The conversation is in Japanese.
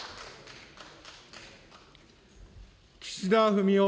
岸田文雄